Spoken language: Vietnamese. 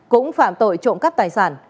cũng phạm tội trộm cắp tài sản